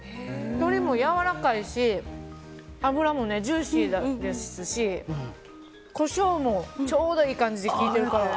鶏もやわらかいし脂もジューシーですしコショウもちょうどいい感じで利いているから。